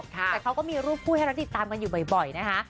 แต่เขาก็มีรูปคู่ให้เราติดตามกันอยู่บ่อยนะคะ